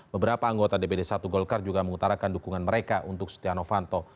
beberapa anggota dpd satu golkar juga mengutarakan dukungan mereka untuk setia novanto